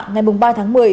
ngày ba tháng một mươi